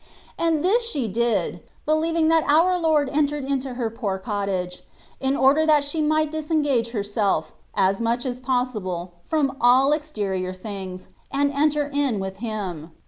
And this she did (believing that our Lord entered into her poor cottage), in order that she might disengage herself, as much as possible, from all exterior things, and enter in with Him.